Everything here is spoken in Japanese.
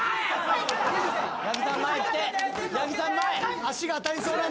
八木さん！